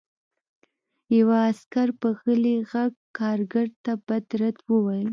یوه عسکر په غلي غږ کارګر ته بد رد وویل